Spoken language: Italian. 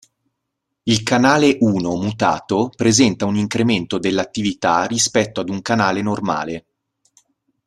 Il canale I mutato presenta un incremento dell'attività rispetto ad un canale normale.